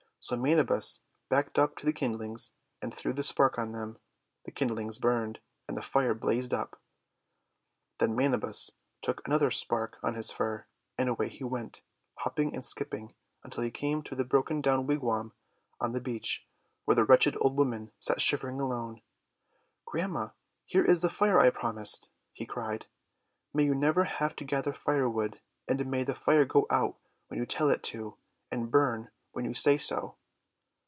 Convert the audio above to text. So Manabus backed up to the kindlings, and threw the spark on them. The kindlings burned, and the Fire blazed up. Then Manabus took another spark on his fur, and away he went, hopping and skipping, until he came to the broken down wigwam on the beach, where the wretched old woman sat shiv ering alone. "Grandma, here is the Fire I promised," he cried. "May you never have to gather fire wood; and may the Fire go out when you tell it to, and burn when you say so."